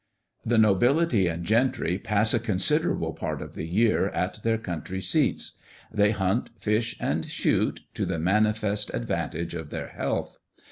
The nobility and gentry pass a considerable part of the year at their country seats. They hunt, fish, and shoot, to the manifest advantage of their health.